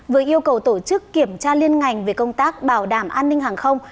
vừa yêu cầu tổ chức kiểm tra liên ngành về công tác bảo đảm an ninh hàng không